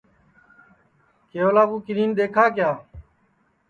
کیولا کُوکِنیں دیکھا کیا